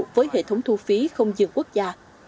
với hệ thống thu phí không dùng quốc gia